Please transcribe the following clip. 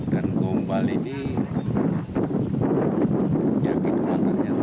dan gombal ini jadi tempatnya